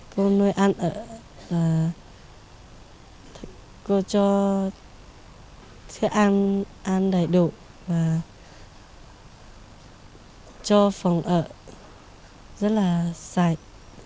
cô nuôi ăn ở cô cho thức ăn đầy đủ cho phòng ở rất là sạch